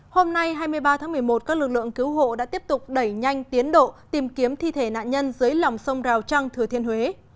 hôm nay hai mươi ba tháng một mươi một các lực lượng cứu hộ đã tiếp tục đẩy nhanh tiến độ tìm kiếm thi thể nạn nhân dưới lòng sông rào trăng thừa thiên huế